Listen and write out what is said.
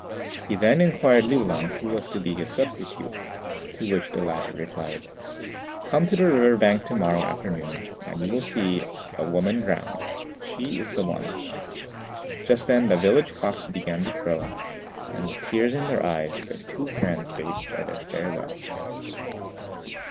He then inquired of Liu lang who was to be his substitute; to which the latter replied, "Come to the river bank to morrow afternoon and you'll see a woman drowned: she is the one." Just then the village cocks began to crow, and, with tears in their eyes, the two friends bade each other farewell.